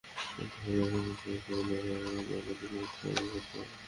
আত্মীয়স্বজনদের সঙ্গে শুভেচ্ছা বিনিময় করেন এবং তাঁদের কুশলাদি সম্পর্কে খোঁজখবর নেন।